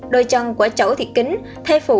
đôi chân của cháu thì kính thay phụ hai mươi sáu